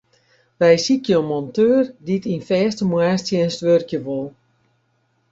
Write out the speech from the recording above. Wy sykje in monteur dy't yn fêste moarnstsjinst wurkje wol.